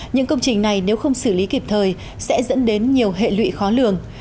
những công trình này nếu không xử lý kịp thời sẽ dẫn đến nhiều hệ lụy khó lường